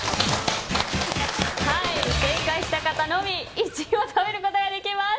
正解した方のみ１位を食べることができます。